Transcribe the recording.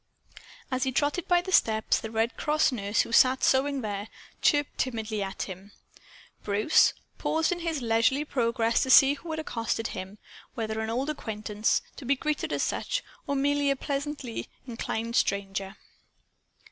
As he trotted by the steps, the Red Cross nurse, who sat sewing there, chirped timidly at him. Bruce paused in his leisurely progress to see who had accosted him whether an old acquaintance, to be greeted as such, or merely a pleasantly inclined stranger.